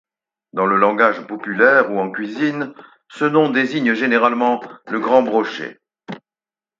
Dans le langage populaire ou en cuisine, ce nom désigne généralement le Grand brochet.